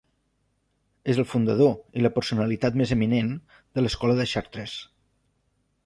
És el fundador i la personalitat més eminent de l'Escola de Chartres.